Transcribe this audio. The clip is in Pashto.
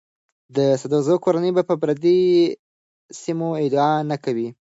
د سدوزو کورنۍ به پر دې سیمو ادعا نه کوي.